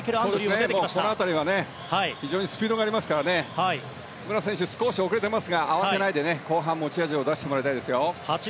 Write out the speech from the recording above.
この辺りは非常にスピードがありますから武良選手、少し遅れていますが慌てないで、後半に持ち味を出してもらいたいですよ。